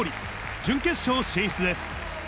準決勝進出です。